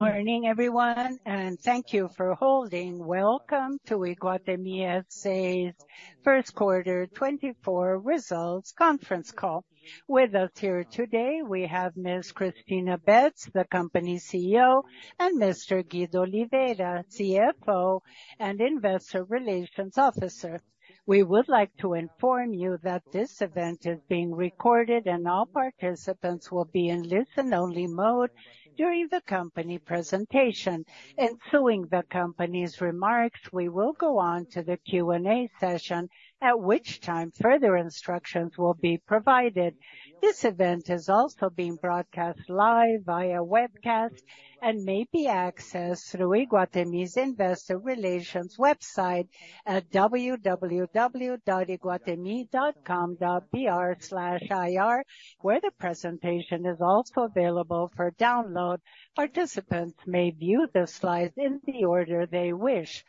Morning everyone, and thank you for holding. Welcome to Iguatemi S.A.'s first quarter 2024 results conference call. With us here today, we have Ms. Cristina Betts, the company's CEO, and Mr. Guido Oliveira, CFO and Investor Relations Officer. We would like to inform you that this event is being recorded, and all participants will be in listen-only mode during the company presentation. Following the company's remarks, we will go on to the Q&A session, at which time further instructions will be provided. This event is also being broadcast live via webcast and may be accessed through Iguatemi's Investor Relations website at www.iguatemi.com.br/ir, where the presentation is also available for download. Participants may view the slides in the order they wish.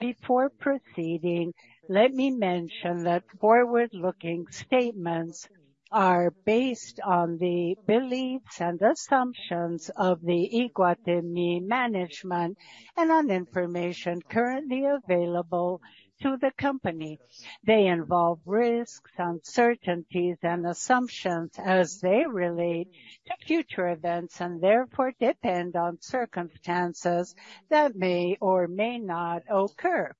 Before proceeding, let me mention that forward-looking statements are based on the beliefs and assumptions of the Iguatemi management, and on information currently available to the company. They involve risks, uncertainties, and assumptions as they relate to future events, and therefore depend on circumstances that may or may not occur.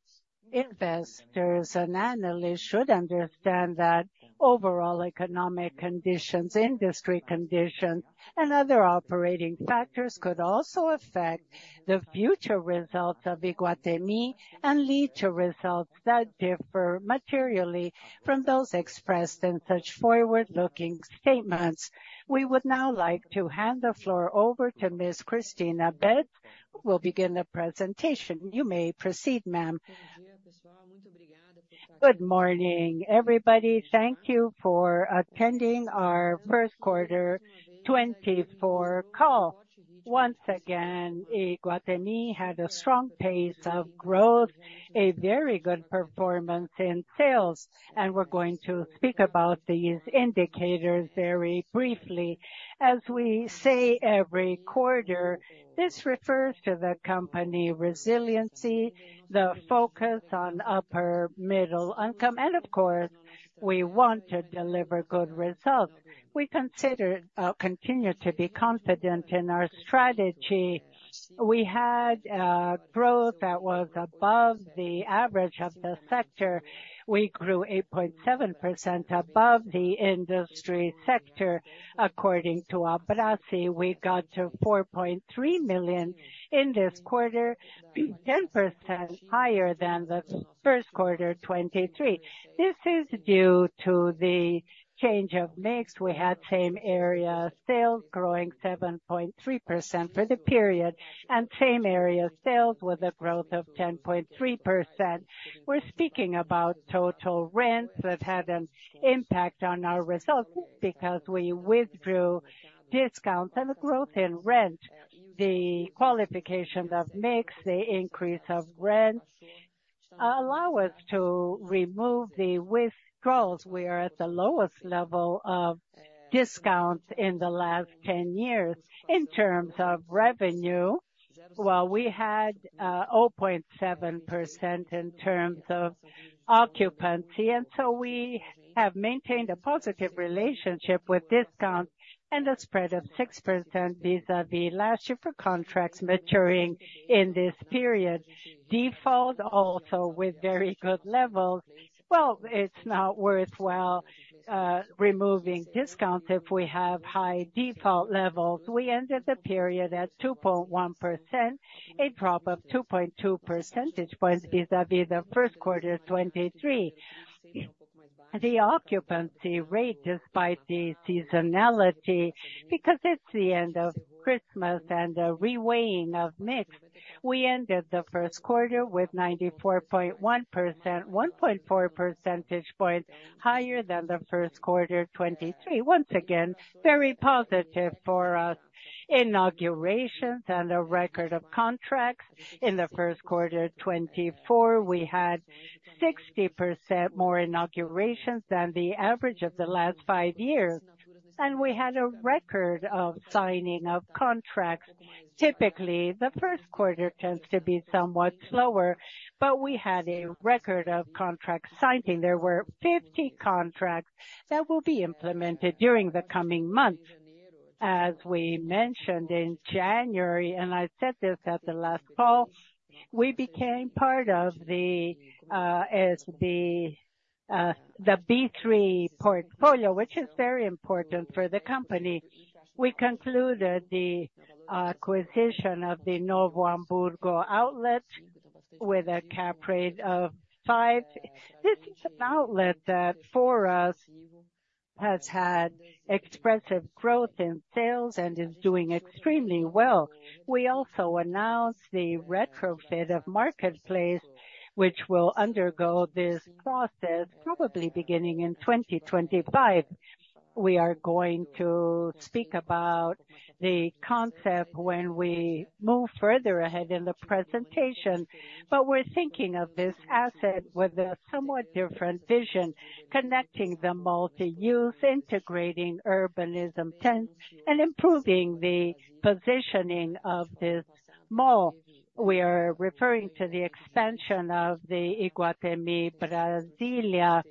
Investors and analysts should understand that overall economic conditions, industry conditions, and other operating factors could also affect the future results of Iguatemi and lead to results that differ materially from those expressed in such forward-looking statements. We would now like to hand the floor over to Ms. Cristina Betts, who will begin the presentation. You may proceed, ma'am. Good morning, everybody. Thank you for attending our first quarter 2024 call. Once again, Iguatemi had a strong pace of growth, a very good performance in sales, and we're going to speak about these indicators very briefly. As we say every quarter, this refers to the company resiliency, the focus on upper middle income, and of course, we want to deliver good results. We consider continue to be confident in our strategy. We had growth that was above the average of the sector. We grew 8.7% above the industry sector, according to ABRASCE. We got to 4.3 million in this quarter, 10% higher than the first quarter, 2023. This is due to the change of mix. We had same area sales growing 7.3% for the period, and same area sales with a growth of 10.3%. We're speaking about total rents that had an impact on our results because we withdrew discounts and the growth in rent. The qualification of mix, the increase of rent, allow us to remove the withdrawals. We are at the lowest level of discount in the last 10 years. In terms of revenue, well, we had 0.7% in terms of occupancy, and so we have maintained a positive relationship with discount and a spread of 6% vis-à-vis last year for contracts maturing in this period. Default also with very good levels. Well, it's not worthwhile removing discounts if we have high default levels. We ended the period at 2.1%, a drop of 2.2 percentage points vis-à-vis the first quarter 2023. The occupancy rate, despite the seasonality, because it's the end of Christmas and the reweighing of mix, we ended the first quarter with 94.1%, 1.4 percentage points higher than the first quarter 2023. Once again, very positive for us. Inaugurations and a record of contracts. In the first quarter 2024, we had 60% more inaugurations than the average of the last five years, and we had a record of signing of contracts. Typically, the first quarter tends to be somewhat slower, but we had a record of contract signing. There were 50 contracts that will be implemented during the coming months. As we mentioned in January, and I said this at the last call, we became part of the, as the, the B3 portfolio, which is very important for the company. We concluded the acquisition of the Novo Hamburgo outlet with a cap rate of 5. This is an outlet that, for us, has had expressive growth in sales and is doing extremely well. We also announced the retrofit of Marketplace, which will undergo this process, probably beginning in 2025. We are going to speak about the concept when we move further ahead in the presentation, but we're thinking of this asset with a somewhat different vision, connecting the multi-use, integrating urbanism trends, and improving the positioning of this mall. We are referring to the expansion of the Iguatemi Brasília.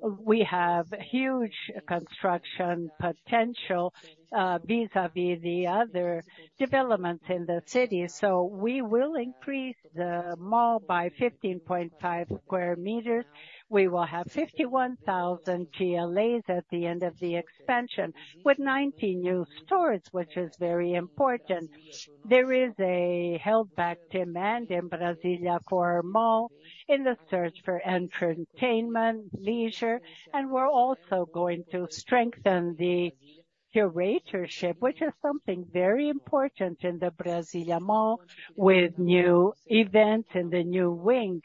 We have huge construction potential, vis-a-vis the other developments in the city. So we will increase the mall by 15.5 square meters. We will have 51,000 GLAs at the end of the expansion, with 90 new stores, which is very important. There is a held back demand in Brasília for mall, in the search for entertainment, leisure, and we're also going to strengthen the curatorship, which is something very important in the Brasília Mall, with new events in the new wing.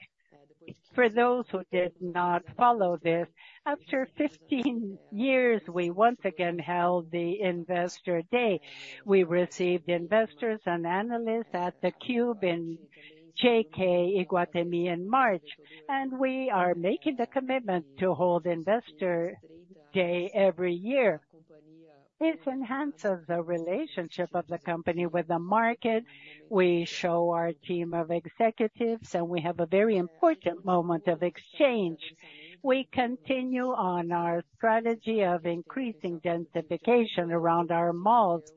For those who did not follow this, after 15 years, we once again held the Investor Day. We received investors and analysts at the Cube in JK Iguatemi, in March, and we are making the commitment to hold Investor Day every year. This enhances the relationship of the company with the market. We show our team of executives, and we have a very important moment of exchange. We continue on our strategy of increasing densification around our malls.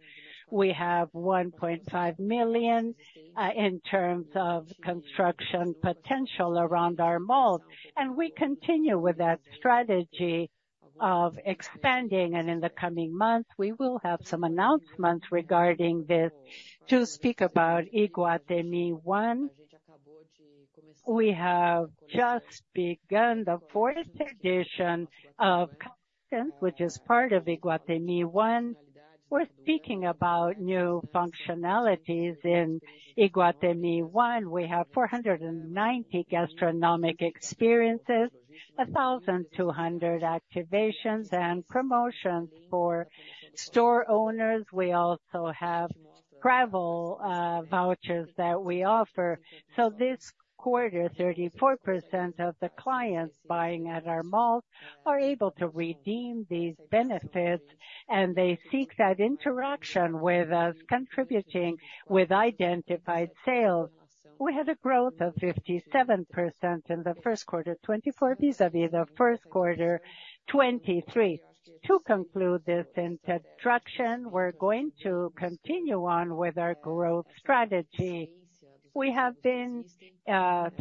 We have 1.5 million in terms of construction potential around our malls, and we continue with that strategy of expanding, and in the coming months, we will have some announcements regarding this. To speak about Iguatemi One, we have just begun the fourth edition of Collections which is part of Iguatemi One. We're speaking about new functionalities in Iguatemi One. We have 490 gastronomic experiences, 1,200 activations and promotions for store owners. We also have travel vouchers that we offer. So this quarter, 34% of the clients buying at our malls are able to redeem these benefits, and they seek that interaction with us, contributing with identified sales. We had a growth of 57% in the first quarter 2024 vis-a-vis the first quarter 2023. To conclude this introduction, we're going to continue on with our growth strategy. We have been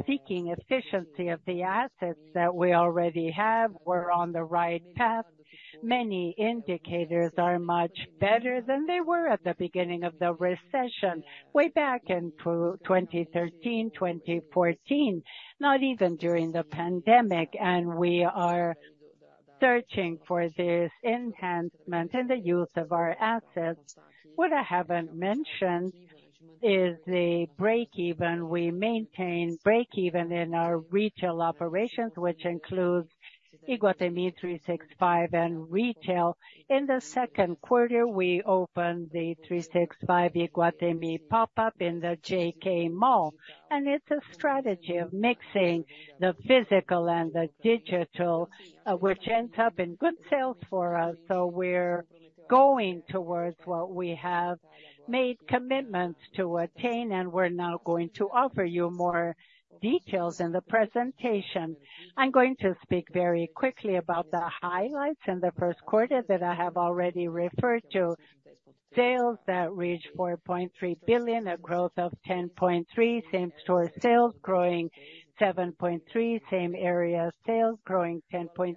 seeking efficiency of the assets that we already have. We're on the right path. Many indicators are much better than they were at the beginning of the recession, way back in 2013, 2014, not even during the pandemic, and we are searching for this enhancement in the use of our assets. What I haven't mentioned is the breakeven. We maintain breakeven in our retail operations, which includes Iguatemi 365 and retail. In the second quarter, we opened the 365 Iguatemi pop-up in the JK Iguatemi, and it's a strategy of mixing the physical and the digital, which ends up in good sales for us. So we're going towards what we have made commitments to attain, and we're now going to offer you more details in the presentation. I'm going to speak very quickly about the highlights in the first quarter that I have already referred to. Sales that reached 4.3 billion, a growth of 10.3%. Same-store sales growing 7.3%. Same-area sales growing 10.3%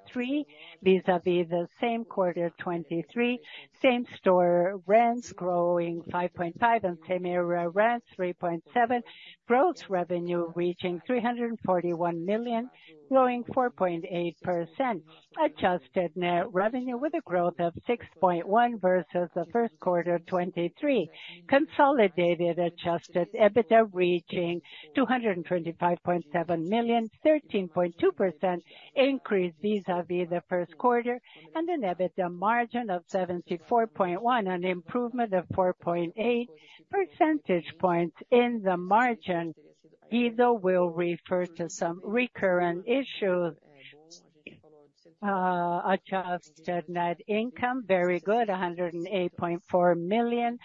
vis-à-vis the same quarter, 2023. Same-store rents growing 5.5% and same-area rents 3.7%. Gross revenue reaching 341 million, growing 4.8%. Adjusted net revenue with a growth of 6.1% versus the first quarter of 2023. Consolidated adjusted EBITDA reaching 225.7 million, 13.2% increase vis-a-vis the first quarter, and an EBITDA margin of 74.1%, an improvement of 4.8 percentage points in the margin. Guido will refer to some recurrent issues. Adjusted net income, very good, 108.4 million,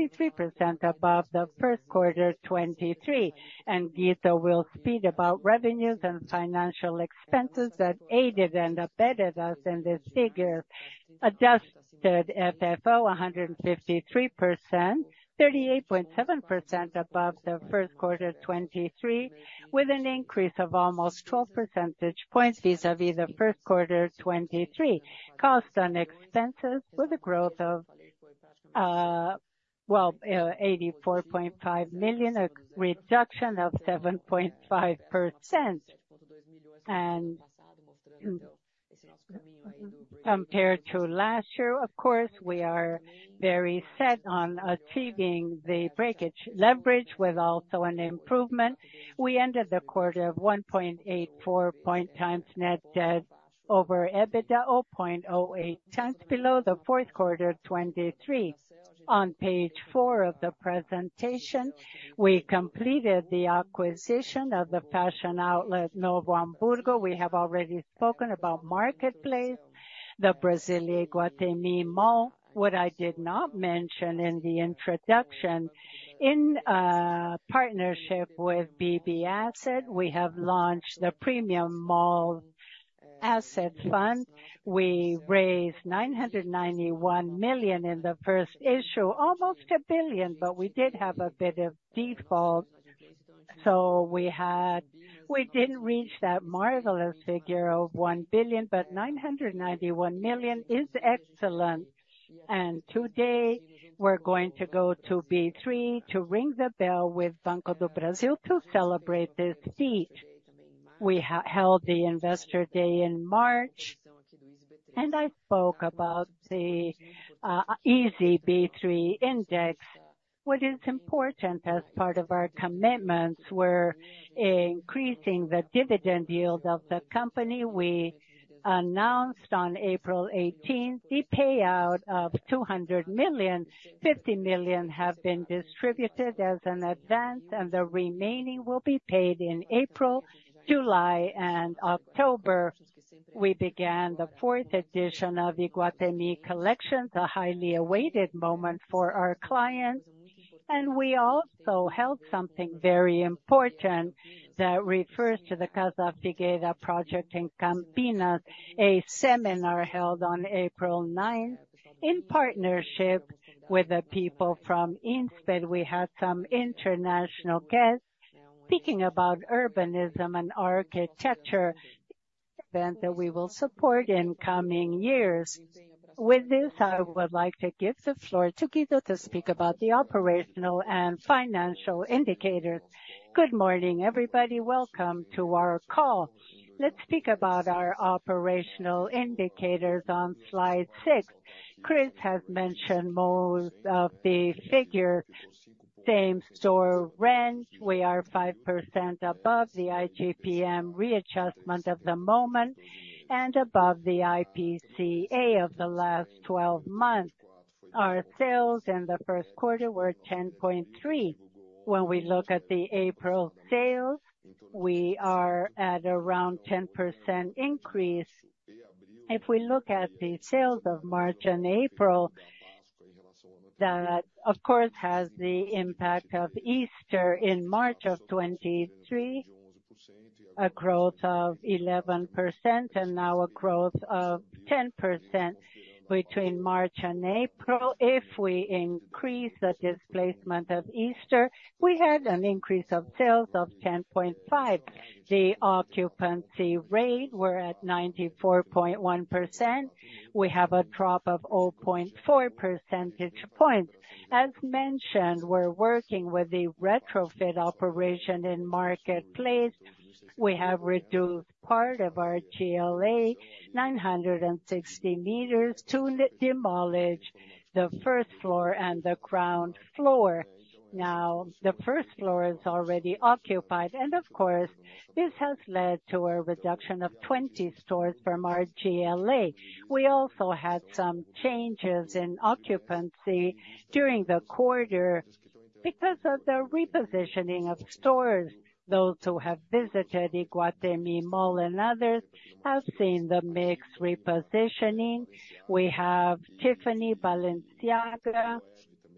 63% above the first quarter, 2023. And Guido will speak about revenues and financial expenses that aided and abetted us in this figure. Adjusted FFO, 153%, 38.7% above the first quarter, 2023, with an increase of almost 12 percentage points vis-a-vis the first quarter, 2023. Costs and expenses with a growth of, well, 84.5 million, a reduction of 7.5%. Compared to last year, of course, we are very set on achieving the breakeven leverage with also an improvement. We ended the quarter at 1.84x net debt over EBITDA, or 0.08x below the fourth quarter 2023. On page four of the presentation, we completed the acquisition of the I Fashion Outlet Novo Hamburgo. We have already spoken about Marketlace, the Iguatemi Brasília. What I did not mention in the introduction, in partnership with BB Asset, we have launched the premium malls asset fund. We raised 991 million in the first issue, almost a billion, but we did have a bit of default. So we didn't reach that marvelous figure of 1 billion, but 991 million is excellent. Today, we're going to go to B3 to ring the bell with Banco do Brasil to celebrate this feat. We held the Investor Day in March, and I spoke about the ISE B3 index. What is important as part of our commitments, we're increasing the dividend yield of the company. We announced on April 18, the payout of 200 million; 50 million have been distributed as an advance, and the remaining will be paid in April, July, and October. We began the fourth edition of Iguatemi Collections, a highly awaited moment for our clients. We also held something very important that refers to the Casa Figueira project in Campinas, a seminar held on April 9, in partnership with the people from Insper. We had some international guests speaking about urbanism and architecture, event that we will support in coming years. With this, I would like to give the floor to Guido to speak about the operational and financial indicators. Good morning, everybody. Welcome to our call. Let's speak about our operational indicators on slide 6. Cris has mentioned most of the figures. Same-store rent, we are 5% above the IGP-M readjustment of the moment and above the IPCA of the last 12 months. Our sales in the first quarter were 10.3. When we look at the April sales, we are at around 10% increase. If we look at the sales of March and April, that, of course, has the impact of Easter in March of 2023, a growth of 11%, and now a growth of 10% between March and April. If we increase the displacement of Easter, we had an increase of sales of 10.5. The occupancy rate were at 94.1%. We have a drop of 0.4 percentage points. As mentioned, we're working with the retrofit operation in Marketplace. We have reduced part of our GLA, 960 meters, to demolish the first floor and the ground floor. Now, the first floor is already occupied, and of course, this has led to a reduction of 20 stores from our GLA. We also had some changes in occupancy during the quarter because of the repositioning of stores. Those who have visited Iguatemi Mall and others, have seen the mix repositioning. We have Tiffany, Balenciaga,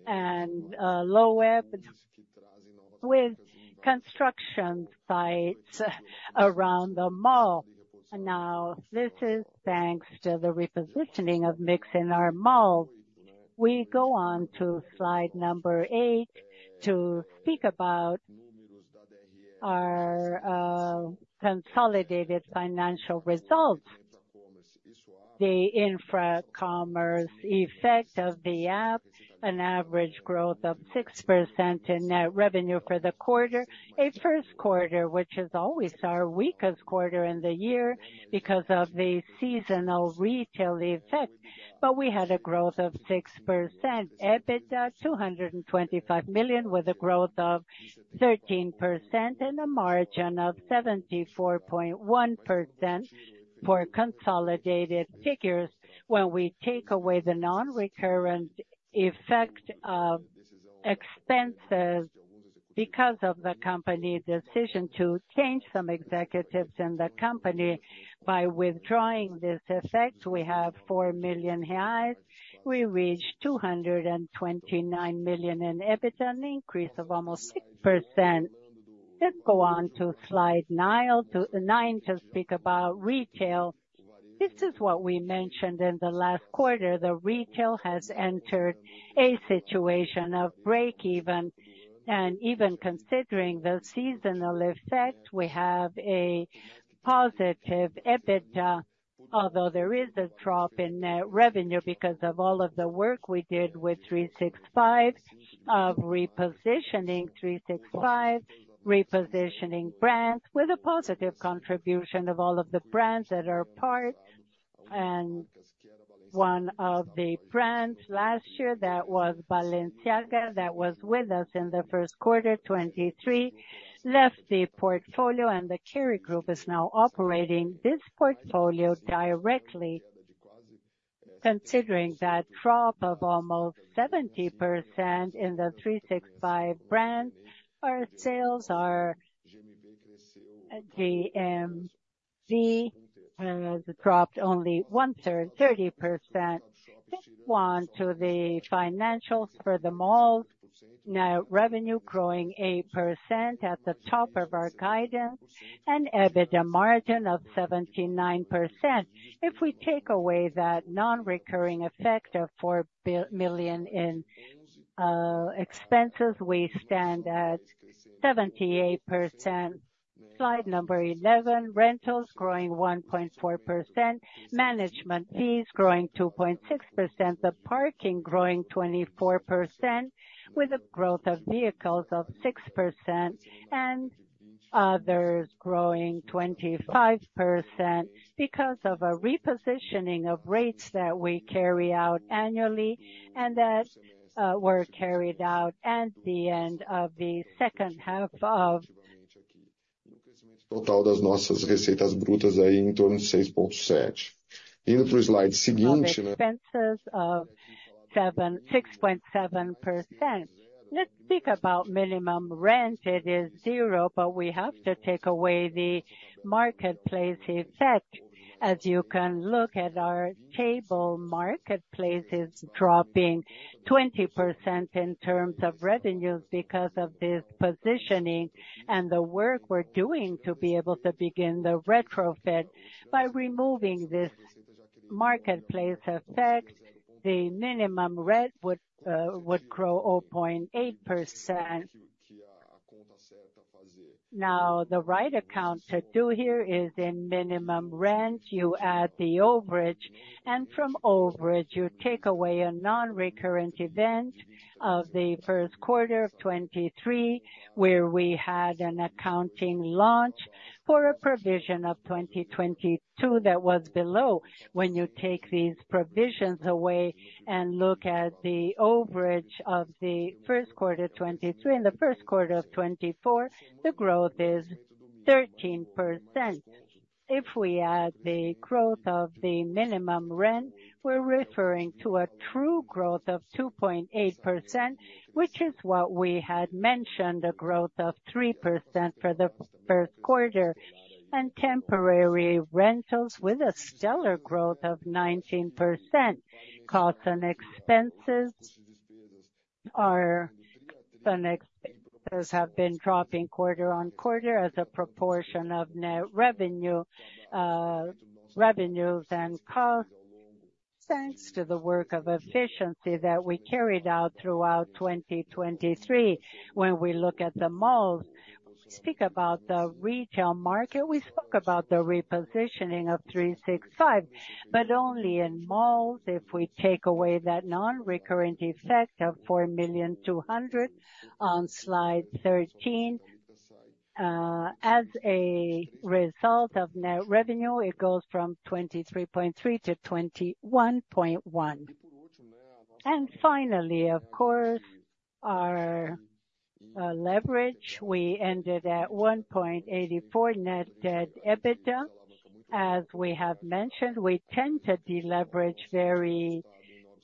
and, Loewe, with construction sites around the mall. Now, this is thanks to the repositioning of mix in our mall. We go on to slide 8, to speak about our consolidated financial results. The Infracommerce effect of the app, an average growth of 6% in net revenue for the quarter. A first quarter, which is always our weakest quarter in the year because of the seasonal retail effect, but we had a growth of 6%. EBITDA, 225 million, with a growth of 13% and a margin of 74.1% for consolidated figures. When we take away the non-recurrent effect of expenses because of the company decision to change some executives in the company. By withdrawing this effect, we have 4 million reais. We reach 229 million in EBITDA, an increase of almost 6%. Let's go on to slide 9 to speak about retail. This is what we mentioned in the last quarter. The retail has entered a situation of breakeven, and even considering the seasonal effect, we have a positive EBITDA, although there is a drop in net revenue because of all of the work we did with 365, of repositioning 365, repositioning brands with a positive contribution of all of the brands that are part. And one of the brands last year, that was Balenciaga, that was with us in the first quarter 2023, left the portfolio, and the Kering Group is now operating this portfolio directly. Considering that drop of almost 70% in the 365 brand, our sales GMV has dropped only one-third, 30%. Let's move on to the financials for the malls. Net revenue growing 8% at the top of our guidance, and EBITDA margin of 79%. If we take away that non-recurring effect of 4 million in expenses, we stand at 78%. Slide 11, rentals growing 1.4%, management fees growing 2.6%, the parking growing 24%, with a growth of vehicles of 6%, and others growing 25% because of a repositioning of rates that we carry out annually and that were carried out at the end of the second half of. Of expenses of 6.7%. Let's speak about minimum rent. It is zero, but we have to take away the marketplace effect. As you can look at our table, marketplace is dropping 20% in terms of revenues because of this positioning and the work we're doing to be able to begin the retrofit. By removing this marketplace effect, the minimum rent would grow 0.8%. Now, the right account to do here is in minimum rent, you add the overage, and from overage, you take away a non-recurrent event of the first quarter of 2023, where we had an accounting launch for a provision of 2022 that was below. When you take these provisions away and look at the overage of the first quarter 2023 and the first quarter of 2024, the growth is 13%. If we add the growth of the minimum rent, we're referring to a true growth of 2.8%, which is what we had mentioned, a growth of 3% for the first quarter, and temporary rentals with a stellar growth of 19%. Costs and expenses are, and expenses have been dropping quarter-over-quarter as a proportion of net revenue, revenues and costs, thanks to the work of efficiency that we carried out throughout 2023. When we look at the malls, speak about the retail market, we spoke about the repositioning of 365, but only in malls, if we take away that non-recurrent effect of 4.2 million on slide 13. As a result of net revenue, it goes from 23.3 to 21.1. And finally, of course, our leverage, we ended at 1.84 net debt EBITDA. As we have mentioned, we tend to deleverage very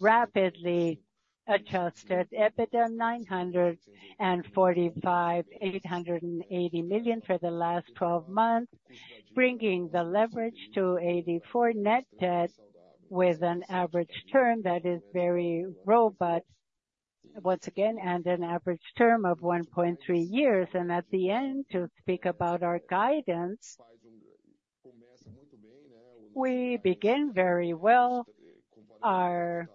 rapidly, adjusted EBITDA, 945,880 million for the last twelve months, bringing the leverage to 84 net debt with an average term that is very robust, once again, and an average term of 1.3 years. At the end, to speak about our guidance, we begin very well. Our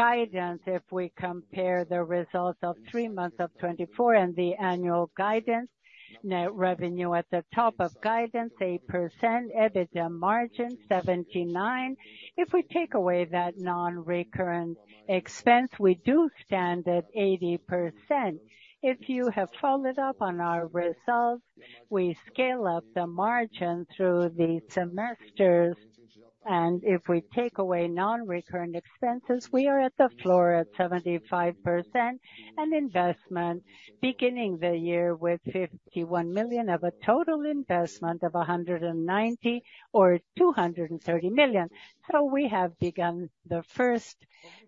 guidance, if we compare the results of three months of 2024 and the annual guidance, net revenue at the top of guidance, 8%, EBITDA margin, 79%. If we take away that non-recurrent expense, we do stand at 80%. If you have followed up on our results, we scale up the margin through the semesters, and if we take away non-recurrent expenses, we are at the floor at 75% and investment, beginning the year with 51 million of a total investment of 190 million or 230 million. So we have begun the first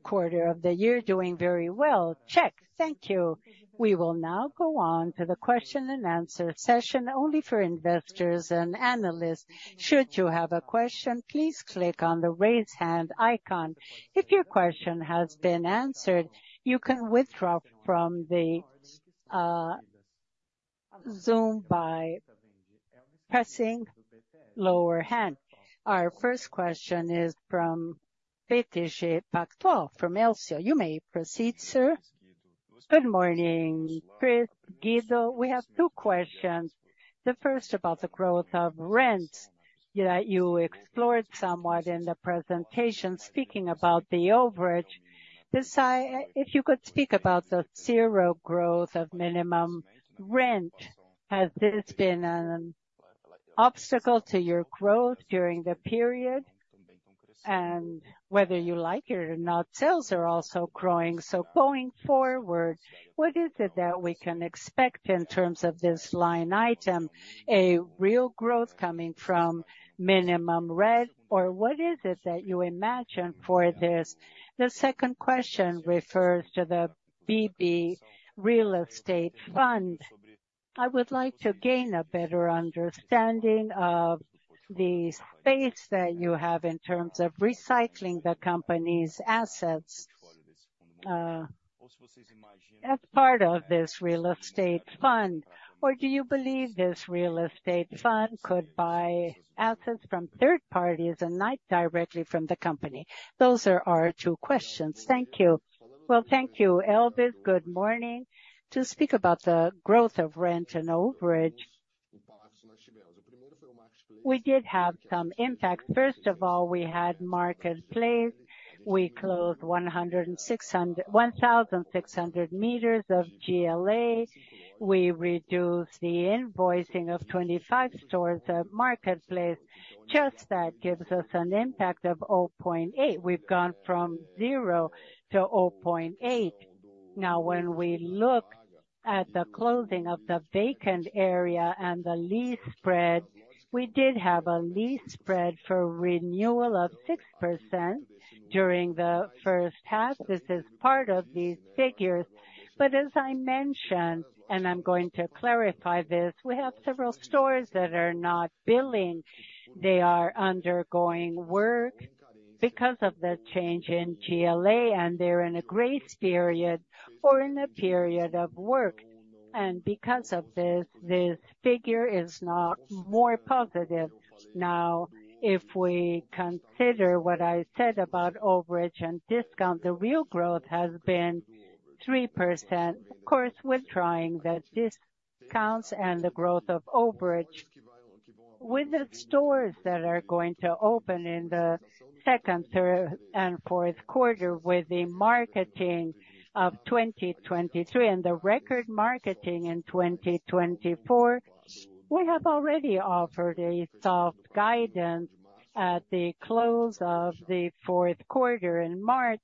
quarter of the year doing very well. Check. Thank you. We will now go on to the question and answer session only for investors and analysts. Should you have a question, please click on the Raise Hand icon. If your question has been answered, you can withdraw from the Zoom by pressing lower hand. Our first question is from Elvis Credendio from BTG Pactual. You may proceed, sir. Good morning, Cris, Guido. We have two questions. The first about the growth of rent, that you explored somewhat in the presentation, speaking about the overage. Besides, if you could speak about the zero growth of minimum rent, has this been an obstacle to your growth during the period? And whether you like it or not, sales are also growing. So going forward, what is it that we can expect in terms of this line item, a real growth coming from minimum rent, or what is it that you imagine for this? The second question refers to the BB Real Estate Fund. I would like to gain a better understanding of the space that you have in terms of recycling the company's assets, as part of this real estate fund. Or do you believe this real estate fund could buy assets from third parties and not directly from the company? Those are our two questions. Thank you. Well, thank you, Elvis. Good morning. To speak about the growth of rent and overage, we did have some impact. First of all, we had Marketplace. We closed 1,600 meters of GLA. We reduced the invoicing of 25 stores at Marketplace. Just that gives us an impact of 0.8. We've gone from zero to 0.8. Now, when we look at the closing of the vacant area and the lease spread, we did have a lease spread for renewal of 6% during the first half. This is part of these figures, but as I mentioned, and I'm going to clarify this, we have several stores that are not billing. They are undergoing work because of the change in GLA, and they're in a grace period or in a period of work, and because of this, this figure is not more positive. Now, if we consider what I said about overage and discount, the real growth has been 3%. Of course, we're trying the discounts and the growth of overage with the stores that are going to open in the second, third, and fourth quarter with the marketing of 2023 and the record marketing in 2024. We have already offered a soft guidance at the close of the fourth quarter in March.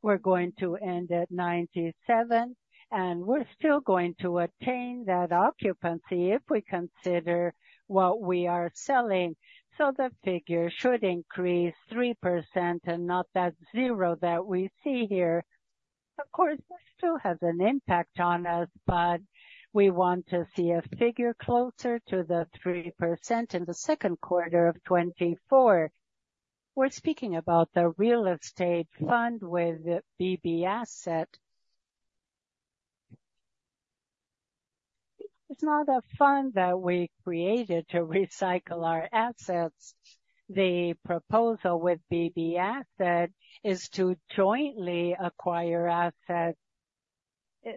We're going to end at 97, and we're still going to attain that occupancy if we consider what we are selling, so the figure should increase 3% and not that 0 that we see here. Of course, this still has an impact on us, but we want to see a figure closer to the 3% in the second quarter of 2024. We're speaking about the real estate fund with BB Asset Management. It's not a fund that we created to recycle our assets. The proposal with BB Asset Management is to jointly acquire assets.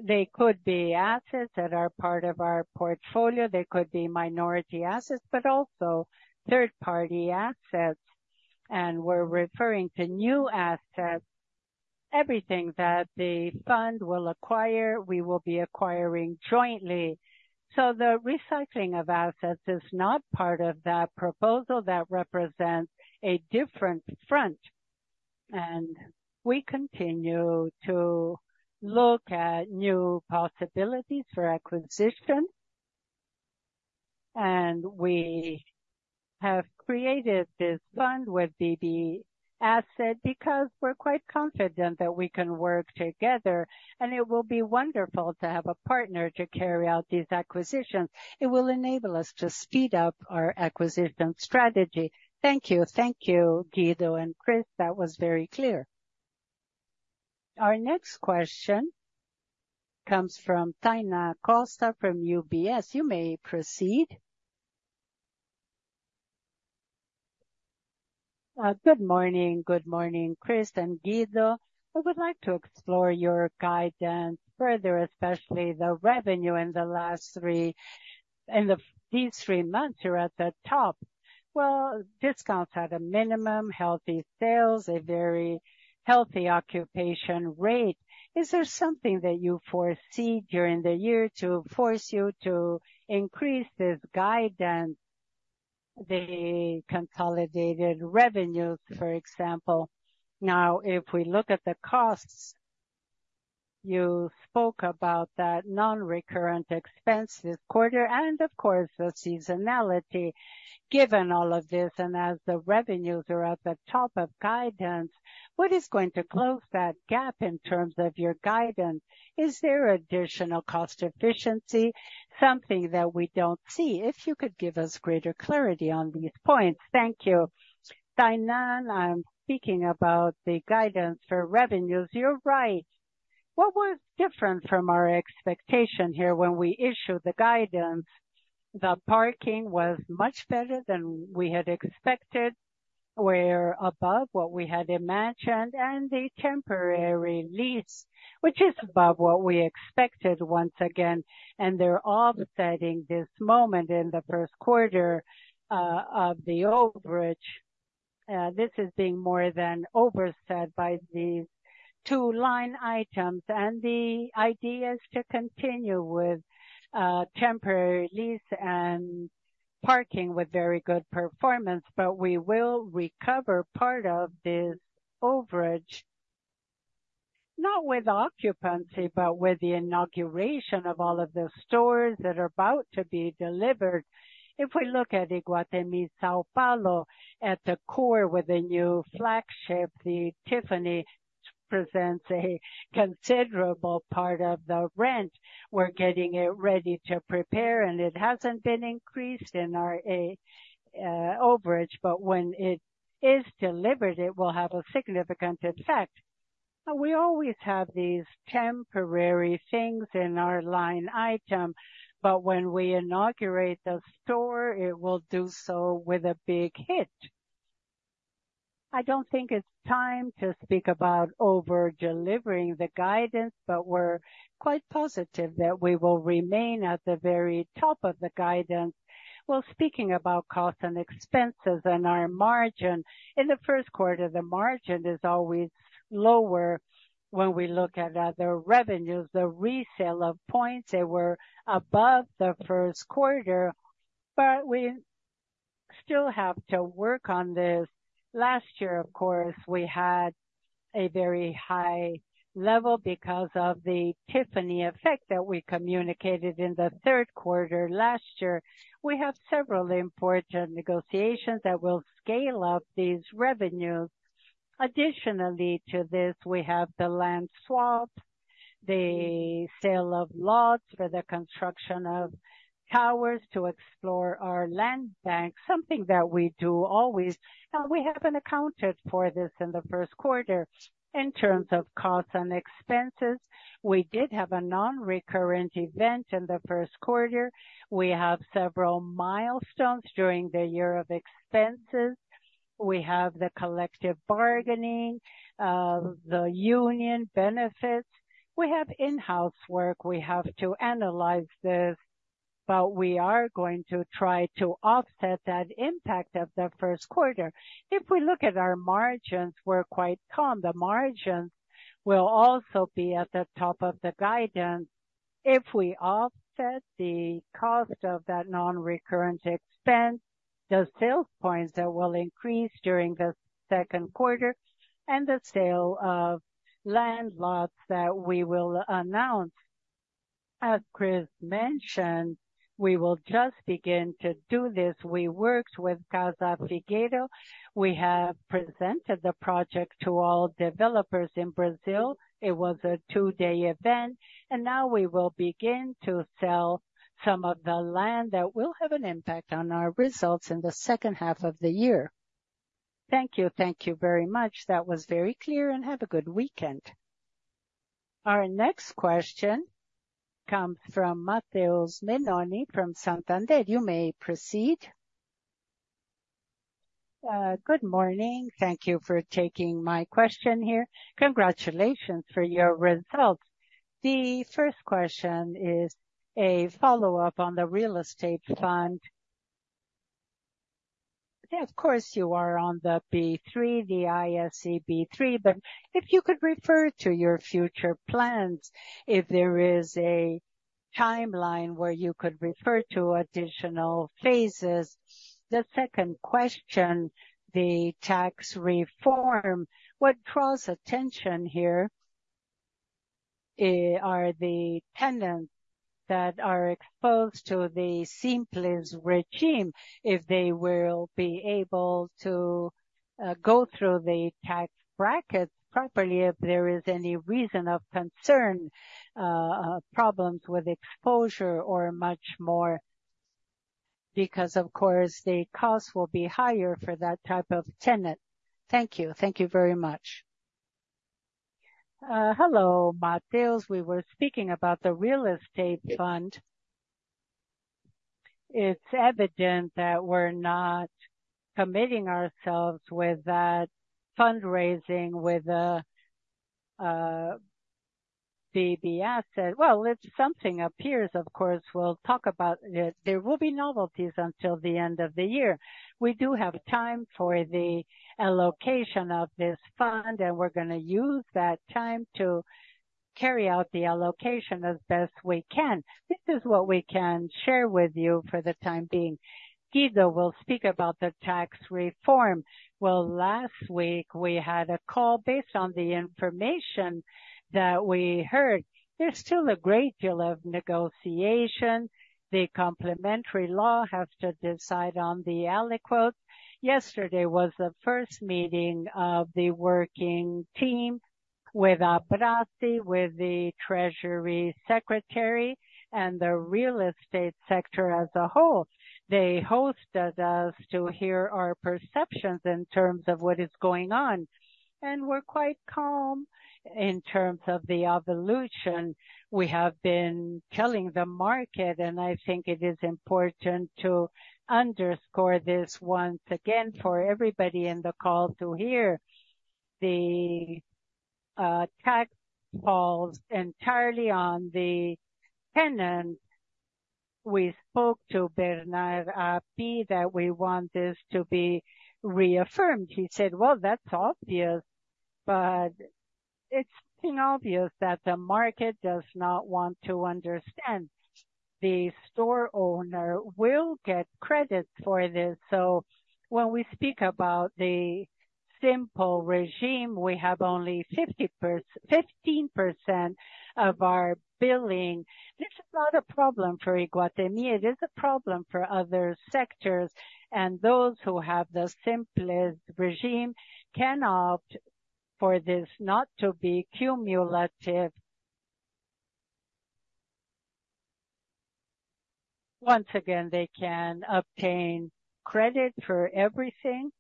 They could be assets that are part of our portfolio. They could be minority assets, but also third-party assets, and we're referring to new assets. Everything that the fund will acquire, we will be acquiring jointly. So the recycling of assets is not part of that proposal. That represents a different front, and we continue to look at new possibilities for acquisition. We have created this fund with BB Asset because we're quite confident that we can work together, and it will be wonderful to have a partner to carry out these acquisitions. It will enable us to speed up our acquisition strategy. Thank you. Thank you, Guido and Cris. That was very clear. Our next question comes from Tainá Costa, from UBS. You may proceed. Good morning. Good morning, Cris and Guido. I would like to explore your guidance further, especially the revenue in the last 3—in these 3 months, you're at the top. Well, discounts at a minimum, healthy sales, a very healthy occupancy rate. Is there something that you foresee during the year to force you to increase this guidance, the consolidated revenue, for example? Now, if we look at the costs, you spoke about that non-recurrent expense this quarter and of course, the seasonality. Given all of this, and as the revenues are at the top of guidance, what is going to close that gap in terms of your guidance? Is there additional cost efficiency, something that we don't see? If you could give us greater clarity on these points. Thank you. Tainá, I'm speaking about the guidance for revenues. You're right. What was different from our expectation here when we issued the guidance, the parking was much better than we had expected, we're above what we had imagined, and the temporary lease, which is above what we expected once again, and they're offsetting this moment in the first quarter, of the overage. This is being more than offset by these two line items, and the idea is to continue with temporary lease and parking with very good performance. But we will recover part of this overage, not with occupancy, but with the inauguration of all of the stores that are about to be delivered. If we look at Iguatemi São Paulo, at the core, with a new flagship, the Tiffany presents a considerable part of the rent. We're getting it ready to prepare, and it hasn't been increased in our overage, but when it is delivered, it will have a significant effect. We always have these temporary things in our line item, but when we inaugurate the store, it will do so with a big hit. I don't think it's time to speak about over-delivering the guidance, but we're quite positive that we will remain at the very top of the guidance. Well, speaking about costs and expenses and our margin, in the first quarter, the margin is always lower when we look at other revenues. The resale of points, they were above the first quarter, but we still have to work on this. Last year, of course, we had a very high level because of the Tiffany effect that we communicated in the third quarter last year. We have several important negotiations that will scale up these revenues. Additionally to this, we have the land swap, the sale of lots for the construction of towers to explore our land bank, something that we do always, and we haven't accounted for this in the first quarter. In terms of costs and expenses, we did have a non-recurrent event in the first quarter. We have several milestones during the year of expenses. We have the collective bargaining, the union benefits. We have in-house work. We have to analyze this, but we are going to try to offset that impact of the first quarter. If we look at our margins, we're quite calm. The margins will also be at the top of the guidance if we offset the cost of that non-recurrent expense, the sales points that will increase during the second quarter, and the sale of land lots that we will announce. As Cris mentioned, we will just begin to do this. We worked with Casa Figuera. We have presented the project to all developers in Brazil. It was a two-day event, and now we will begin to sell some of the land that will have an impact on our results in the second half of the year. Thank you. Thank you very much. That was very clear, and have a good weekend. Our next question comes from Matheus Meloni, from Santander. You may proceed. Good morning. Thank you for taking my question here. Congratulations for your results. The first question is a follow-up on the real estate fund. Yeah, of course, you are on the B3, the ISE B3, but if you could refer to your future plans, if there is a timeline where you could refer to additional phases. The second question, the tax reform. What draws attention here are the tenants that are exposed to the Simples Nacional, if they will be able to go through the tax bracket properly, if there is any reason of concern, problems with exposure or much more, because, of course, the cost will be higher for that type of tenant. Thank you. Thank you very much. Hello, Matheus. We were speaking about the real estate fund. It's evident that we're not committing ourselves with that fundraising with the asset. Well, if something appears, of course, we'll talk about it. There will be novelties until the end of the year. We do have time for the allocation of this fund, and we're gonna use that time to carry out the allocation as best we can. This is what we can share with you for the time being. Guido will speak about the tax reform. Well, last week, we had a call based on the information that we heard. There's still a great deal of negotiation. The complementary law has to decide on the aliquot. Yesterday was the first meeting of the working team with Appy, with the Treasury secretary and the real estate sector as a whole. They hosted us to hear our perceptions in terms of what is going on, and we're quite calm in terms of the evolution. We have been telling the market, and I think it is important to underscore this once again for everybody in the call to hear, tax falls entirely on the tenant. We spoke to Bernard Appy that we want this to be reaffirmed. He said, "Well, that's obvious," but it's obvious that the market does not want to understand. The store owner will get credit for this. So when we speak about the Simples regime, we have only fifteen percent of our billing. This is not a problem for Iguatemi. It is a problem for other sectors, and those who have the Simples regime cannot, for this not to be cumulative. Once again, they can obtain credit for everything.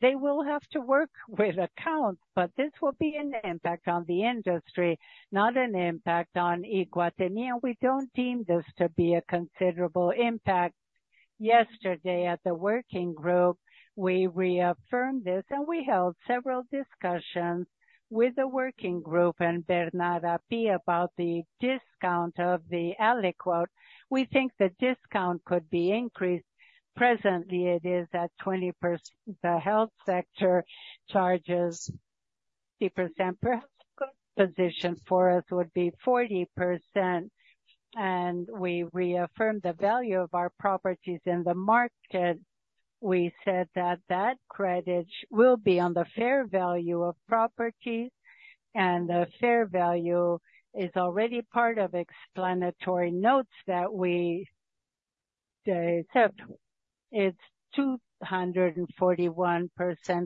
They will have to work with accounts, but this will be an impact on the industry, not an impact on Iguatemi. We don't deem this to be a considerable impact. Yesterday, at the working group, we reaffirmed this, and we held several discussions with the working group and Bernard Appy about the discount of the aliquot. We think the discount could be increased. Presently, it is at 20%. The health sector charges 50%. Perhaps good position for us would be 40%, and we reaffirmed the value of our properties in the market. We said that that credit will be on the fair value of properties, and the fair value is already part of explanatory notes that we accept. It's 241%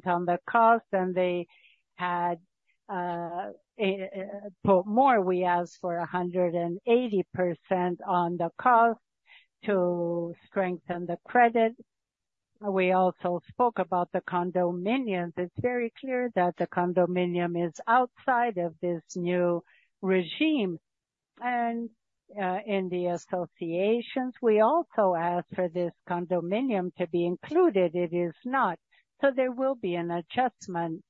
on the cost, and they add, put more. We asked for 180% on the cost to strengthen the credit. We also spoke about the condominiums. It's very clear that the condominium is outside of this new regime. And, in the associations, we also asked for this condominium to be included. It is not, so there will be an adjustment.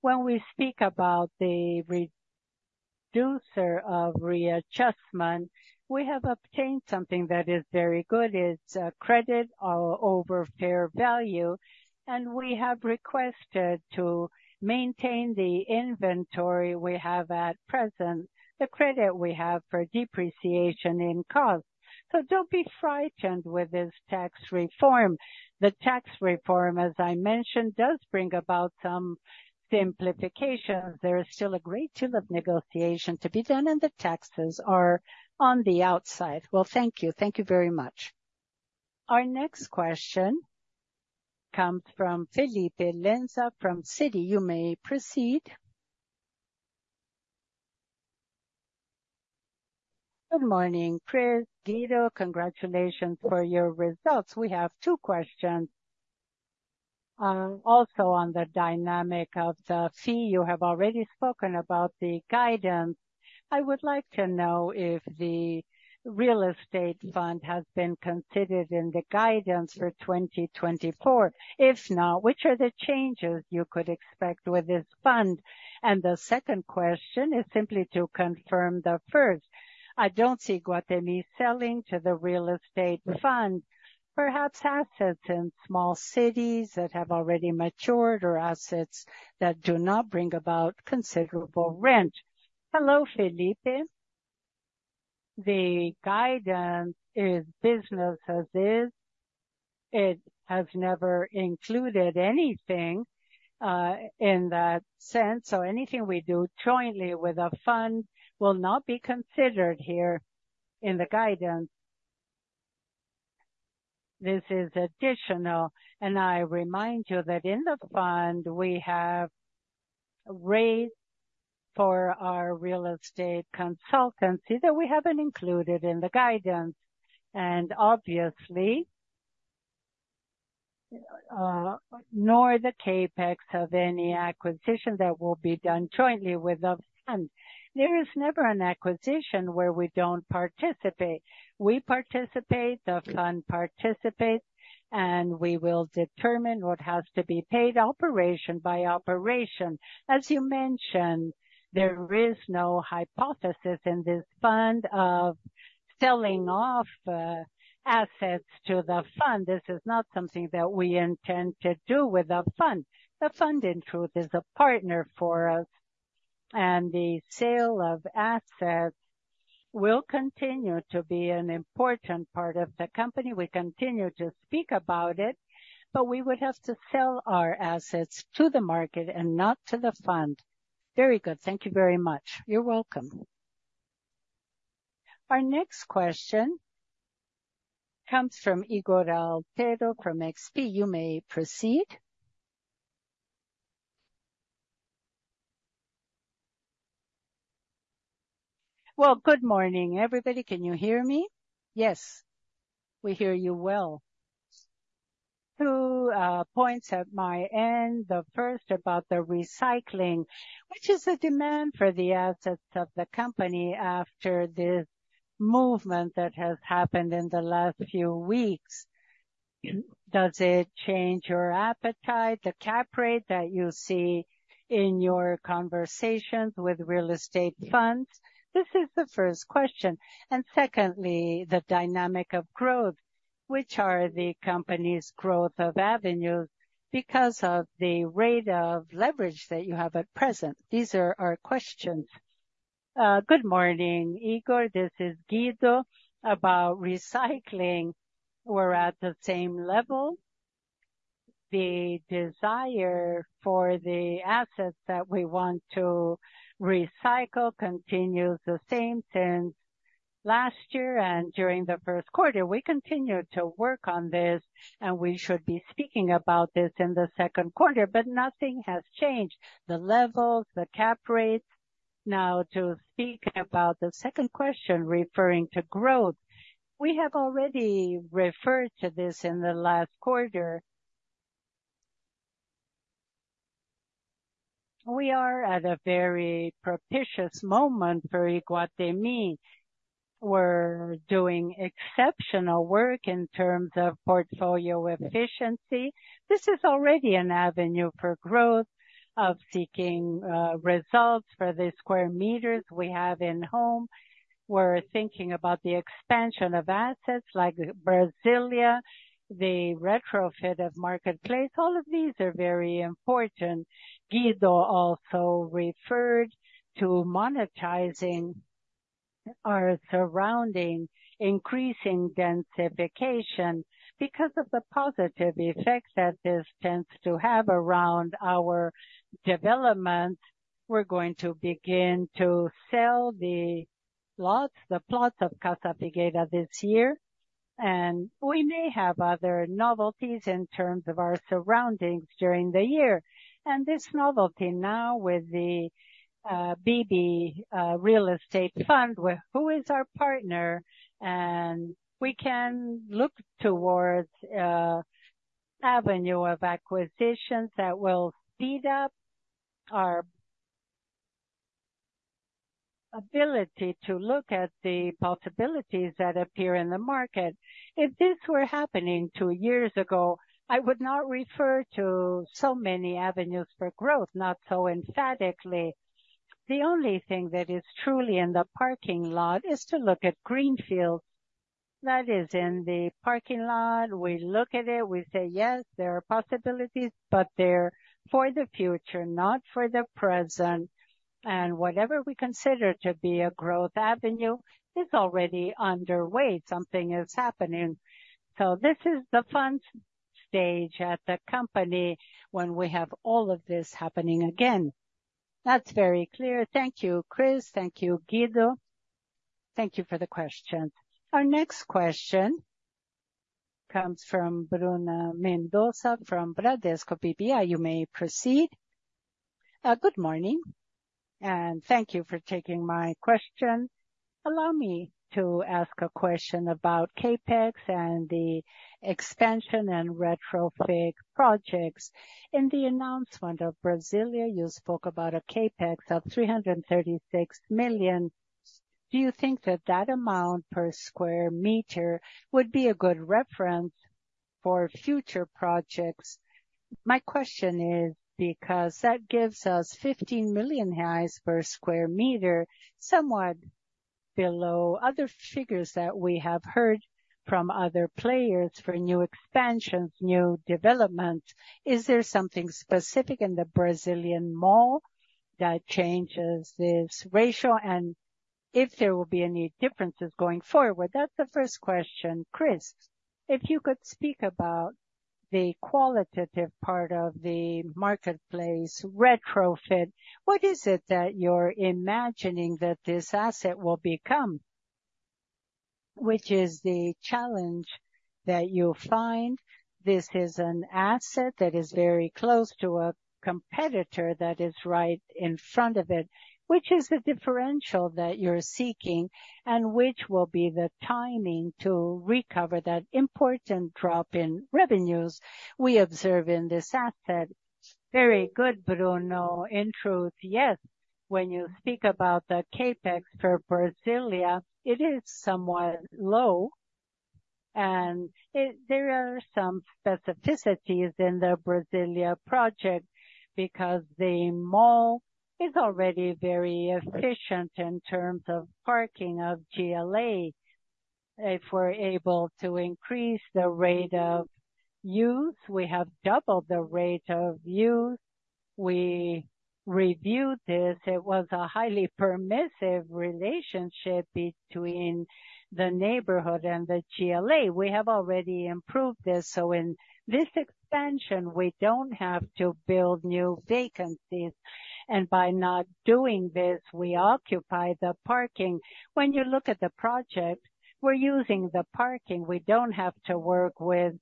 When we speak about the reducer of readjustment, we have obtained something that is very good. It's a credit over fair value, and we have requested to maintain the inventory we have at present, the credit we have for depreciation in cost. So don't be frightened with this tax reform. The tax reform, as I mentioned, does bring about some simplifications. There is still a great deal of negotiation to be done, and the taxes are on the outside. Well, thank you. Thank you very much. Our next question comes from Felipe Lenza, from Citi. You may proceed. Good morning, Cris. Guido, congratulations for your results. We have two questions. Also, on the dynamic of the fee, you have already spoken about the guidance. I would like to know if the real estate fund has been considered in the guidance for 2024. If not, which are the changes you could expect with this fund? The second question is simply to confirm the first. I don't see what they mean selling to the real estate fund. Perhaps assets in small cities that have already matured, or assets that do not bring about considerable rent. Hello, Felipe. The guidance is business as is. It has never included anything, in that sense, so anything we do jointly with a fund will not be considered here in the guidance. This is additional, and I remind you that in the fund, we have raised for our real estate consultancy that we haven't included in the guidance, and obviously, nor the CapEx of any acquisition that will be done jointly with the fund. There is never an acquisition where we don't participate. We participate, the fund participates, and we will determine what has to be paid, operation by operation. As you mentioned, there is no hypothesis in this fund of selling off assets to the fund. This is not something that we intend to do with the fund. The fund, in truth, is a partner for us, and the sale of assets will continue to be an important part of the company. We continue to speak about it, but we would have to sell our assets to the market and not to the fund. Very good. Thank you very much. You're welcome. Our next question comes from Ygor Altero from XP. You may proceed. Well, good morning, everybody. Can you hear me? Yes, we hear you well. Two points at my end. The first, about the recycling, which is the demand for the assets of the company after this movement that has happened in the last few weeks. Does it change your appetite, the cap rate that you see in your conversations with real estate funds? This is the first question. And secondly, the dynamic of growth, which are the company's growth of avenues because of the rate of leverage that you have at present? These are our questions. Good morning, Ygor. This is Guido. About recycling, we're at the same level. The desire for the assets that we want to recycle continues the same since last year and during the first quarter, we continued to work on this, and we should be speaking about this in the second quarter, but nothing has changed. The levels, the cap rates. Now, to speak about the second question, referring to growth, we have already referred to this in the last quarter. We are at a very propitious moment for Iguatemi. We're doing exceptional work in terms of portfolio efficiency. This is already an avenue for growth, of seeking results for the square meters we have in home. We're thinking about the expansion of assets like Brasília, the retrofit of Marketplace. All of these are very important. Guido also referred to monetizing our surroundings, increasing densification. Because of the positive effect that this tends to have around our development, we're going to begin to sell the plots, the plots of Casa Figueira this year, and we may have other novelties in terms of our surroundings during the year. And this novelty now with the BB Real Estate Fund, where—who is our partner, and we can look towards an avenue of acquisitions that will speed up our ability to look at the possibilities that appear in the market. If this were happening two years ago, I would not refer to so many avenues for growth, not so emphatically. The only thing that is truly in the parking lot is to look at Greenfield. That is in the parking lot, we look at it, we say, "Yes, there are possibilities," but they're for the future, not for the present. And whatever we consider to be a growth avenue is already underway. Something is happening. So this is the fun stage at the company when we have all of this happening again. That's very clear. Thank you, Cris. Thank you, Guido. Thank you for the question. Our next question comes from Bruno Mendonça, from Bradesco BBI. You may proceed. Good morning, and thank you for taking my question. Allow me to ask a question about CapEx and the expansion and retrofit projects. In the announcement of Brasília, you spoke about a CapEx of 336 million. Do you think that that amount per square meter would be a good reference for future projects? My question is because that gives us 15 million per square meter, somewhat below other figures that we have heard from other players for new expansions, new developments. Is there something specific in the Brazilian mall that changes this ratio? And if there will be any differences going forward. That's the first question. Cris, if you could speak about the qualitative part of the Marketplace retrofit, what is it that you're imagining that this asset will become? Which is the challenge that you find. This is an asset that is very close to a competitor that is right in front of it. Which is the differential that you're seeking, and which will be the timing to recover that important drop in revenues we observe in this asset? Very good, Bruno. In truth, yes, when you speak about the CapEx for Brasília, it is somewhat low, and it—there are some specificities in the Brasília project because the mall is already very efficient in terms of parking, of GLA. If we're able to increase the rate of use, we have doubled the rate of use. We reviewed this. It was a highly permissive relationship between the neighborhood and the GLA. We have already improved this, so in this expansion, we don't have to build new vacancies, and by not doing this, we occupy the parking. When you look at the project, we're using the parking. We don't have to work with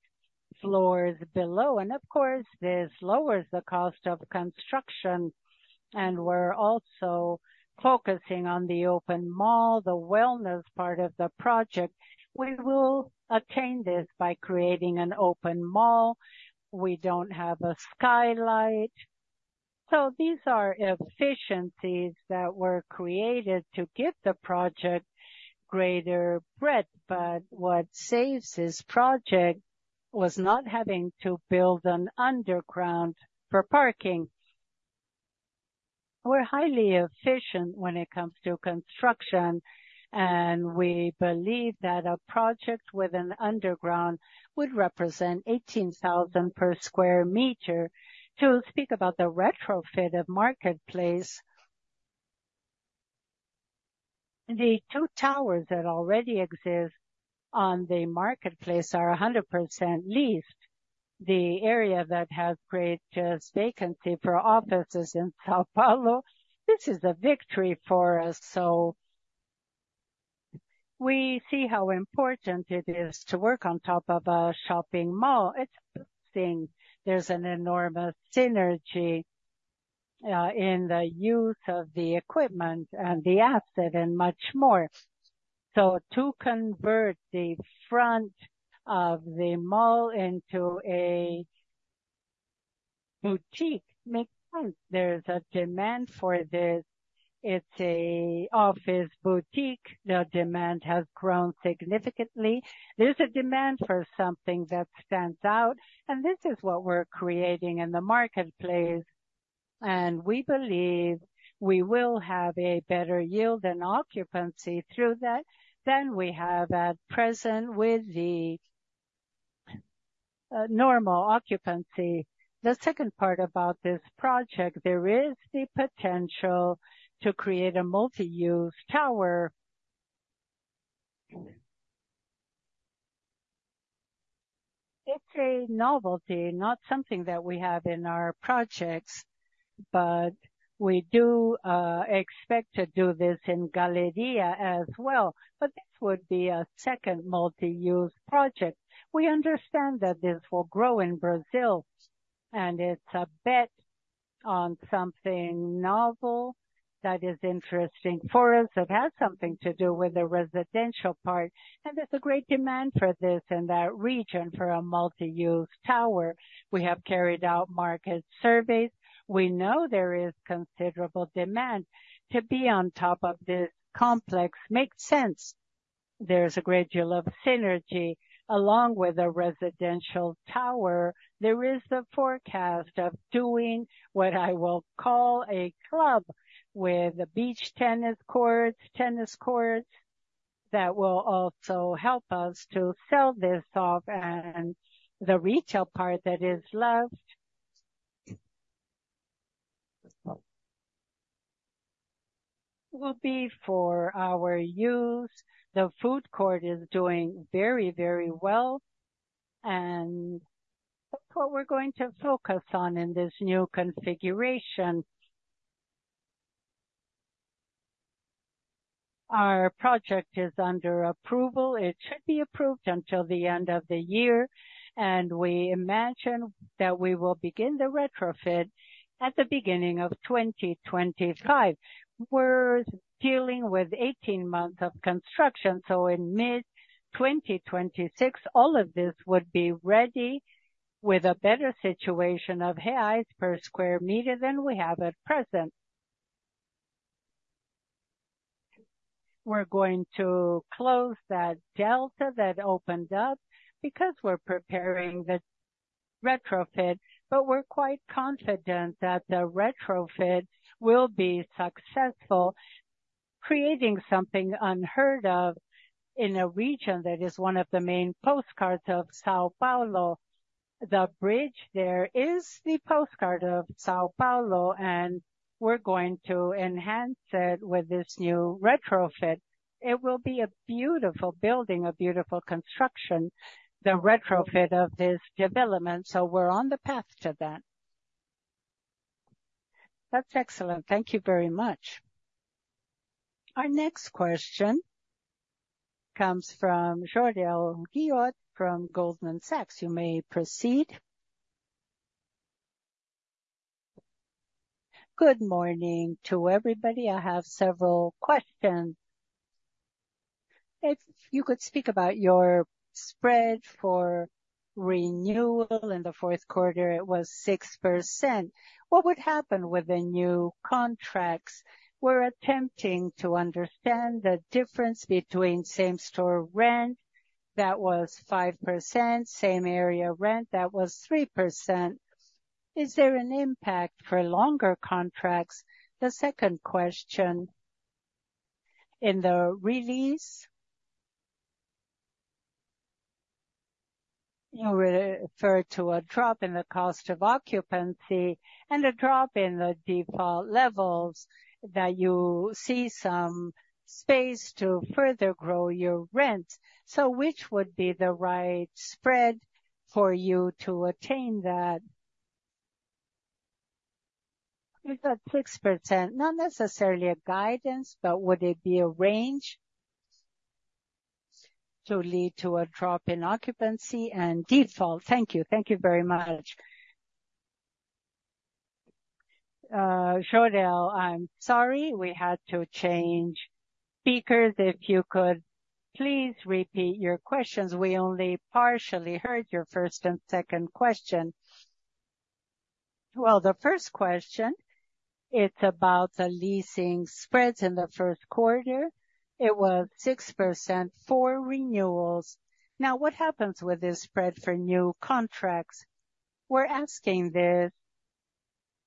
floors below, and of course, this lowers the cost of construction. We're also focusing on the open mall, the wellness part of the project. We will attain this by creating an open mall. We don't have a skylight. So these are efficiencies that were created to give the project greater breadth. But what saves this project was not having to build an underground for parking. We're highly efficient when it comes to construction, and we believe that a project with an underground would represent 18,000 per square meter. To speak about the retrofit of Marketplace, the two towers that already exist on the Marketplace are 100% leased. The area that has greatest vacancy for offices in São Paulo, this is a victory for us. So we see how important it is to work on top of a shopping mall. It's interesting. There's an enormous synergy in the use of the equipment and the asset and much more. So to convert the front of the mall into a boutique makes sense. There's a demand for this. It's an office boutique. The demand has grown significantly. There's a demand for something that stands out, and this is what we're creating in the Marketplace, and we believe we will have a better yield and occupancy through that than we have at present with the normal occupancy. The second part about this project, there is the potential to create a multi-use tower. It's a novelty, not something that we have in our projects, but we do expect to do this in Galeria as well. But this would be a second multi-use project. We understand that this will grow in Brazil, and it's a bet on something novel that is interesting for us. It has something to do with the residential part, and there's a great demand for this in that region for a multi-use tower. We have carried out market surveys. We know there is considerable demand. To be on top of this complex makes sense. There's a great deal of synergy. Along with a residential tower, there is the forecast of doing, what I will call a club, with beach tennis courts, tennis courts, that will also help us to sell this off, and the retail part that is left will be for our use. The food court is doing very, very well, and that's what we're going to focus on in this new configuration. Our project is under approval. It should be approved until the end of the year, and we imagine that we will begin the retrofit at the beginning of 2025. We're dealing with 18 months of construction, so in mid-2026, all of this would be ready with a better situation of highs per square meter than we have at present. We're going to close that delta that opened up because we're preparing the retrofit, but we're quite confident that the retrofit will be successful, creating something unheard of in a region that is one of the main postcards of São Paulo. The bridge there is the postcard of São Paulo, and we're going to enhance it with this new retrofit. It will be a beautiful building, a beautiful construction, the retrofit of this development, so we're on the path to that. That's excellent. Thank you very much. Our next question comes from Jorel Guilloty from Goldman Sachs. You may proceed. Good morning to everybody. I have several questions. If you could speak about your spread for renewal in the fourth quarter, it was 6%. What would happen with the new contracts? We're attempting to understand the difference between same-store rent, that was 5%, same-area rent, that was 3%. Is there an impact for longer contracts? The second question, in the release, you referred to a drop in the cost of occupancy and a drop in the default levels, that you see some space to further grow your rents. So which would be the right spread for you to attain that? We've got 6%, not necessarily a guidance, but would it be a range to lead to a drop in occupancy and default? Thank you. Thank you very much. Jorel, I'm sorry, we had to change speakers. If you could, please repeat your questions. We only partially heard your first and second question. Well, the first question, it's about the leasing spreads in the first quarter. It was 6% for renewals. Now, what happens with this spread for new contracts? We're asking this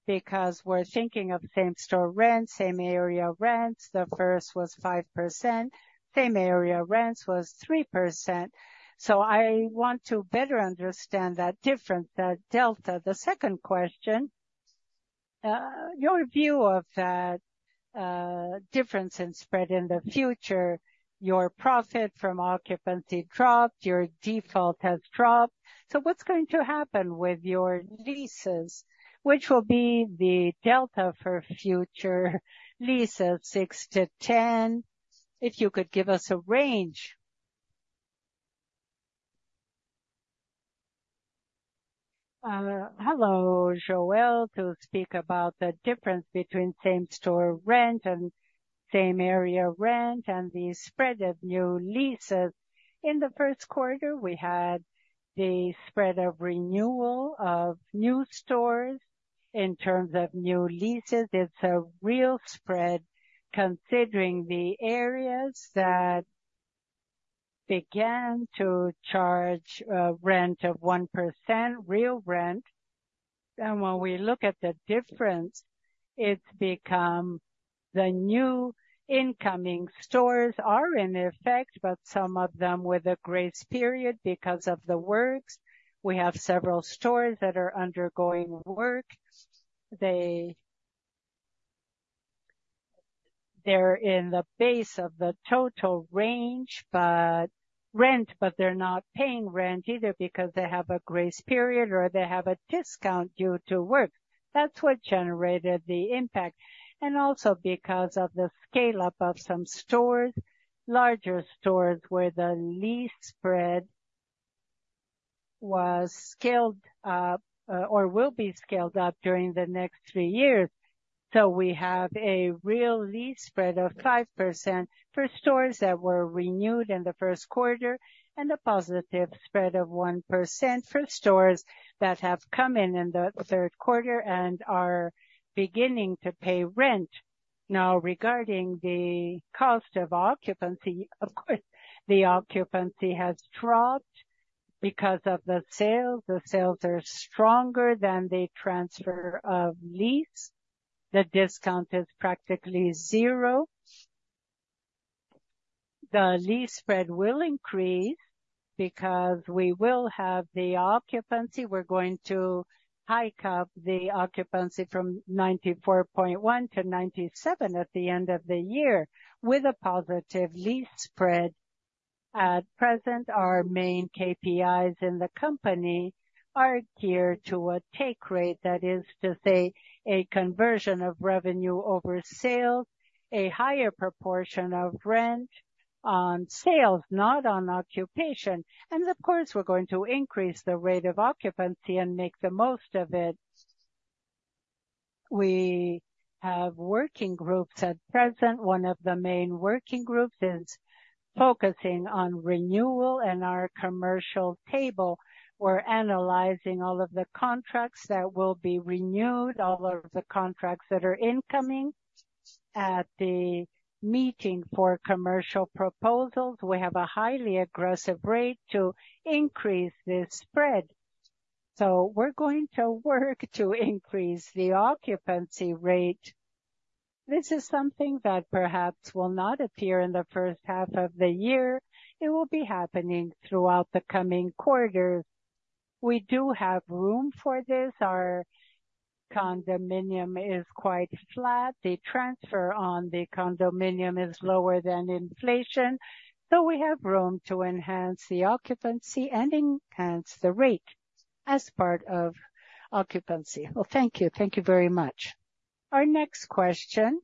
because we're thinking of same-store rent, same area rents. The first was 5%, same area rents was 3%. So I want to better understand that difference, that delta. The second question your view of that difference in spread in the future, your profit from occupancy dropped, your default has dropped. So what's going to happen with your leases, which will be the delta for future leases, 6%-10%? If you could give us a range. Hello, Jorel. To speak about the difference between same store rent and same area rent and the spread of new leases. In the first quarter, we had the spread of renewal of new stores. In terms of new leases, it's a real spread, considering the areas that began to charge rent of 1%, real rent. And when we look at the difference, it's become the new incoming stores are in effect, but some of them with a grace period because of the works. We have several stores that are undergoing work. They're in the base of the total range, but rent, but they're not paying rent either because they have a grace period or they have a discount due to work. That's what generated the impact, and also because of the scale-up of some stores, larger stores, where the lease spread was scaled up, or will be scaled up during the next three years. So we have a real lease spread of 5% for stores that were renewed in the first quarter, and a positive spread of 1% for stores that have come in in the third quarter and are beginning to pay rent. Now, regarding the cost of occupancy, of course, the occupancy has dropped because of the sales. The sales are stronger than the transfer of lease. The discount is practically zero. The lease spread will increase because we will have the occupancy. We're going to hike up the occupancy from 94.1 to 97 at the end of the year, with a positive lease spread. At present, our main KPIs in the company are geared to a take rate, that is to say, a conversion of revenue over sales, a higher proportion of rent on sales, not on occupation. Of course, we're going to increase the rate of occupancy and make the most of it. We have working groups at present. One of the main working groups is focusing on renewal and our commercial table. We're analyzing all of the contracts that will be renewed, all of the contracts that are incoming. At the meeting for commercial proposals, we have a highly aggressive rate to increase this spread. We're going to work to increase the occupancy rate. This is something that perhaps will not appear in the first half of the year. It will be happening throughout the coming quarters. We do have room for this. Our condominium is quite flat. The transfer on the condominium is lower than inflation, so we have room to enhance the occupancy and enhance the rate as part of occupancy. Well, thank you. Thank you very much. Our next question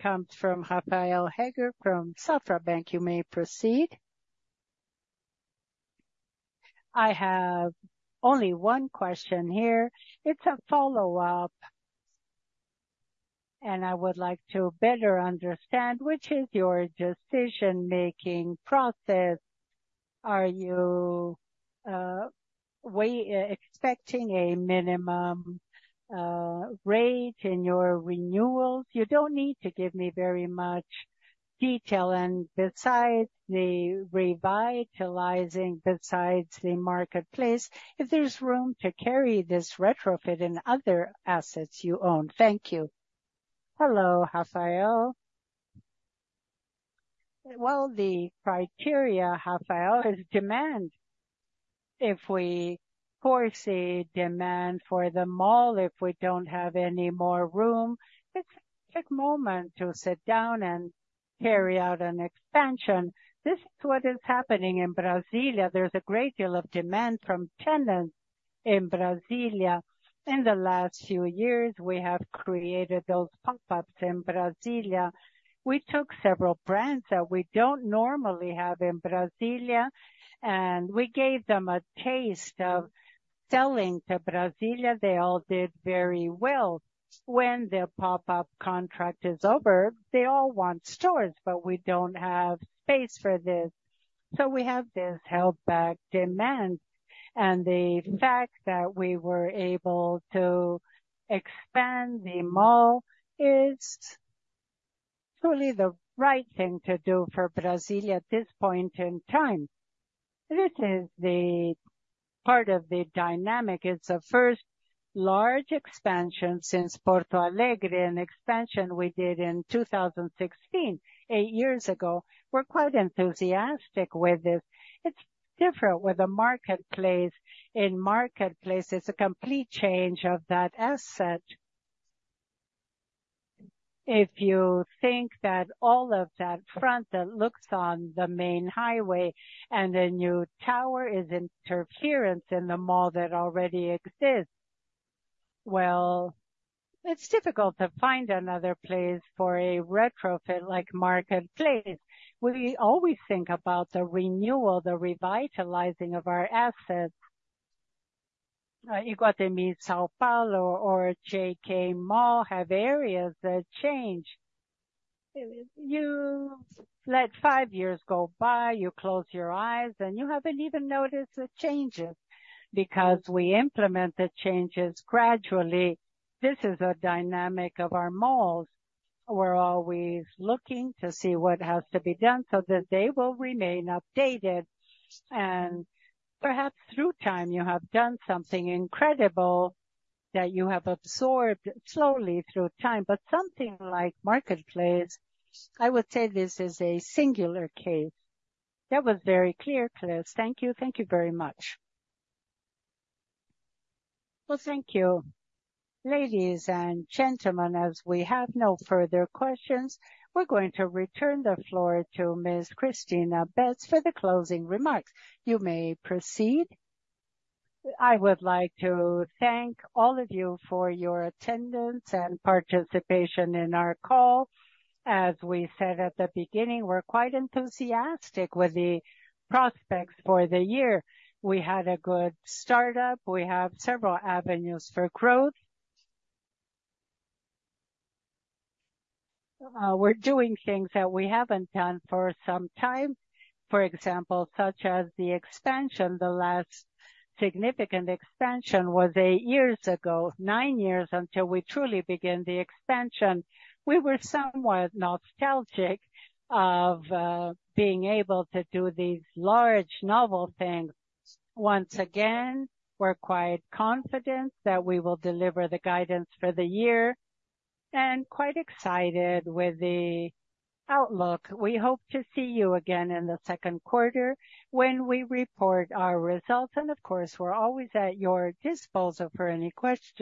comes from Rafael Rehder, from Safra Bank. You may proceed. I have only one question here. It's a follow-up, and I would like to better understand, which is your decision-making process. Are you anyway expecting a minimum rate in your renewals? You don't need to give me very much detail, and besides the revitalizing, besides the Marketplace, if there's room to carry this retrofit in other assets you own. Thank you. Hello, Rafael. Well, the criteria, Rafael, is demand. If we foresee demand for the mall, if we don't have any more room, it's a quick moment to sit down and carry out an expansion. This is what is happening in Brasília. There's a great deal of demand from tenants in Brasília. In the last few years, we have created those pop-ups in Brasília. We took several brands that we don't normally have in Brasília, and we gave them a taste of selling to Brasília. They all did very well. When the pop-up contract is over, they all want stores, but we don't have space for this. So we have this held-back demand, and the fact that we were able to expand the mall is truly the right thing to do for Brasília at this point in time. This is the part of the dynamic. It's the first large expansion since Porto Alegre, an expansion we did in 2016, eight years ago. We're quite enthusiastic with this. It's different with the Marketplace. In Marketplace, it's a complete change of that asset.... If you think that all of that front that looks on the main highway and the new tower is interference in the mall that already exists, well, it's difficult to find another place for a retrofit like Marketplace. We always think about the renewal, the revitalizing of our assets. Iguatemi São Paulo or JK Iguatemi have areas that change. You let five years go by, you close your eyes, and you haven't even noticed the changes, because we implement the changes gradually. This is a dynamic of our malls. We're always looking to see what has to be done so that they will remain updated. And perhaps through time, you have done something incredible, that you have absorbed slowly through time. But something like Marketplace, I would say this is a singular case. That was very clear, Cris. Thank you. Thank you very much. Well, thank you, ladies and gentlemen, as we have no further questions, we're going to return the floor to Ms. Cristina Betts for the closing remarks. You may proceed. I would like to thank all of you for your attendance and participation in our call. As we said at the beginning, we're quite enthusiastic with the prospects for the year. We had a good startup. We have several avenues for growth. We're doing things that we haven't done for some time, for example, such as the expansion. The last significant expansion was 8 years ago, 9 years, until we truly began the expansion. We were somewhat nostalgic of, being able to do these large, novel things. Once again, we're quite confident that we will deliver the guidance for the year and quite excited with the outlook. We hope to see you again in the second quarter when we report our results, and of course, we're always at your disposal for any questions.